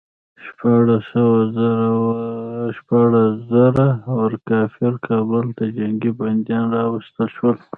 شپاړس سوه زړه ور کافر کابل ته جنګي بندیان راوستل شول.